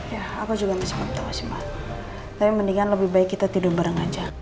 ya aku juga nggak sempet tahu semua tapi mendingan lebih baik kita tidur bareng aja